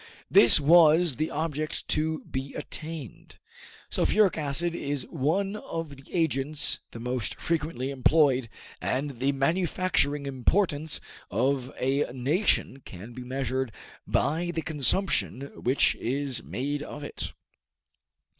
This was the object to be attained. Sulphuric acid is one of the agents the most frequently employed, and the manufacturing importance of a nation can be measured by the consumption which is made of it.